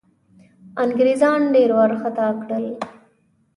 انګرېزان ډېر وارخطا کړل.